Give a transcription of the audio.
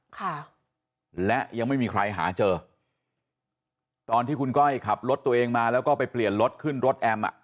ค่ะและยังไม่มีใครหาเจอตอนที่คุณก้อยขับรถตัวเองมาแล้วก็ไปเปลี่ยนรถขึ้นรถแอมอ่ะ